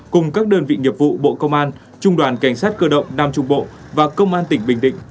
cùng các đơn vị nghiệp vụ bộ công an trung đoàn cảnh sát cơ động nam trung bộ và công an tỉnh bình định